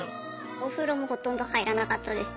お風呂もほとんど入らなかったです。